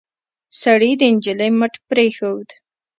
سړي د نجلۍ مټ پرېښود.